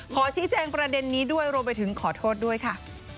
ขอชี้แจงประเด็นนี้ด้วยรวมไปถึงขอโทษด้วยค่ะ